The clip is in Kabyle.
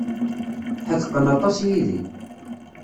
Ḥedqen aṭas yid-i.